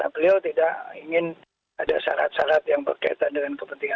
beliau tidak ingin ada syarat syarat yang berkaitan dengan kepentingan